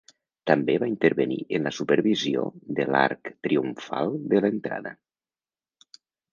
També va intervenir en la supervisió de l'arc triomfal de l'entrada.